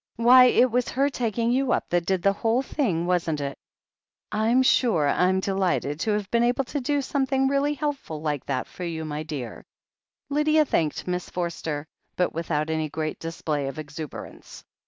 "Why, it was her taking you up that did the whole thing, wasn't it? I'm sure I'm delighted to have been able to do something really helpful like that for you, my dear !" Lydia thanked Miss Forster, but without any great display of exuberance.